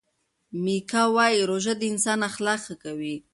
میکا وايي روژه د انسان اخلاق ښه کوي.